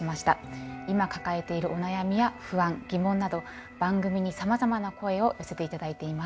今抱えているお悩みや不安疑問など番組にさまざまな声を寄せて頂いています。